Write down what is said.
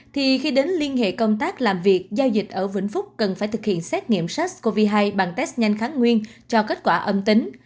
thì khi đến liên hệ công tác làm việc giao dịch ở vĩnh phúc cần phải thực hiện xét nghiệm sars cov hai bằng test nhanh kháng nguyên cho kết quả âm tính